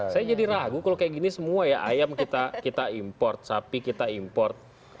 saya jadi ragu kalau kayak gini semua ya ayam kita impor sapi kita import